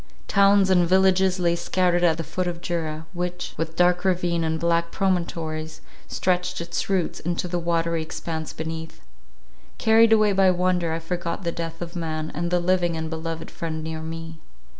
Towns and villages lay scattered at the foot of Jura, which, with dark ravine, and black promontories, stretched its roots into the watery expanse beneath. Carried away by wonder, I forgot the death of man, and the living and beloved friend near me.